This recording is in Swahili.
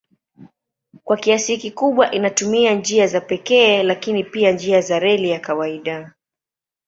Kwa kiasi kikubwa inatumia njia za pekee lakini pia njia za reli ya kawaida.